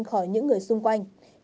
khỏi những địa điểm không có nạn nhân